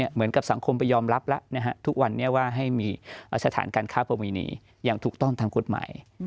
เหมือนกับสังคมไปยอมรับแล้วทุกวันนี้ว่าให้มีสถานการค้าประมินีอย่างถูกต้องทางกฎหมาย